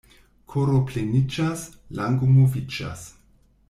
Koro pleniĝas — lango moviĝas.